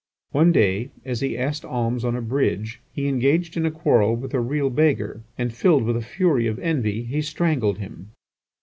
One day, as he asked alms on a bridge, he engaged in a quarrel with a real beggar, and filled with a fury of envy, he strangled him.